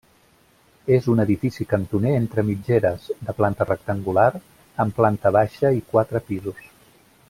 És un edifici cantoner entre mitgeres, de planta rectangular, amb planta baixa i quatre pisos.